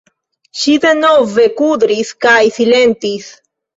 Ŝi denove kudris kaj silentis.